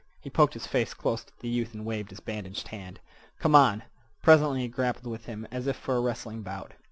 He poked his face close to the youth and waved his bandaged hand. "Come on!" Presently he grappled with him as if for a wrestling bout.